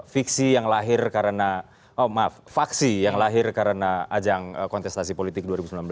fiksi yang lahir karena ajang kontestasi politik dua ribu sembilan belas